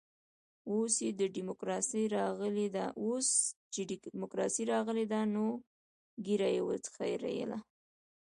اوس چې ډيموکراسي راغلې ده نو ږيره يې وخرېیله.